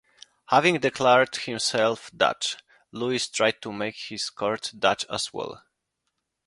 Having declared himself Dutch, Louis tried to make his court Dutch as well.